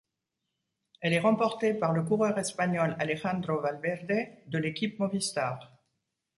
Elle est remportée par le coureur espagnol Alejandro Valverde, de l'équipe Movistar.